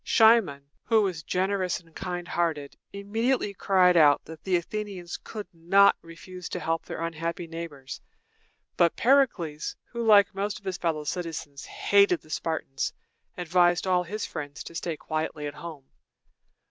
Cimon, who was generous and kind hearted, immediately cried out that the Athenians could not refuse to help their unhappy neighbors; but Pericles, who, like most of his fellow citizens, hated the Spartans, advised all his friends to stay quietly at home.